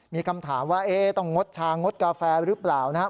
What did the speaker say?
มีคำถามว่าต้องงดชางดกาแฟหรือเปล่านะครับ